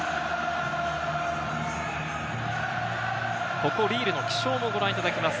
ここリールの気象もご覧いただきます。